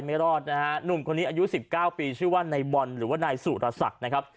ไม่รอดนะฮะหนุ่มคนนี้อายุ๑๙ปีชื่อว่านายบอลหรือว่านายสุรศักดิ์นะครับ